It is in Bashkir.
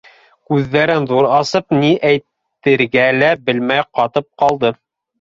Күҙҙәрен ҙур асып ни әйтергә лә белмәй ҡатып ҡалды.